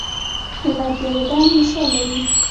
ملت د یوه بڼ مثال لري.